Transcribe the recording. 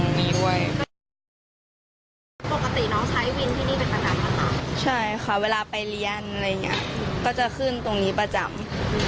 มันใกล้มันใกล้ที่สุดเพราะว่าเวลารีบก็ต้องขึ้นตรงนี้ประจำ